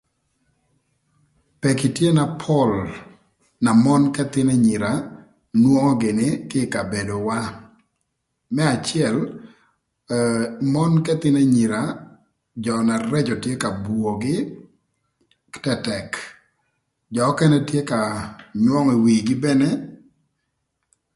Pëkï tye na pol na mon k'ëthïn anyira nwongo gïnï kï ï kabedowa. Më acël ee mon k'ëthïn anyira jö na reco tye ka buogï tëtëk, jö ökënë tye ka nywöngö i wigi mene